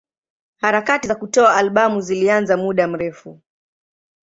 Harakati za kutoa albamu zilianza muda mrefu.